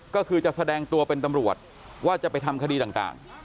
ก็คือจะแสดงตัวเป็นตำรวจว่าจะไปทำคดีต่าง